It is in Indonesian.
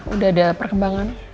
udah ada perkembangan